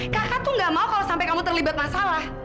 kakak tuh gak mau kalau sampai kamu terlibat masalah